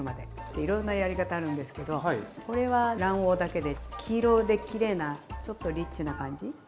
いろんなやり方あるんですけどこれは卵黄だけで黄色できれいなちょっとリッチな感じ？